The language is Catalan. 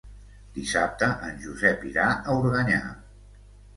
Dissabte en Josep irà a Organyà.